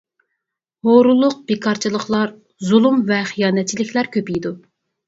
ھۇرۇنلۇق، بىكارچىلىقلار، زۇلۇم ۋە خىيانەتچىلىكلەر كۆپىيىدۇ.